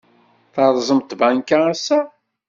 Terẓem tbanka ass-a?